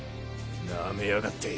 なめやがって。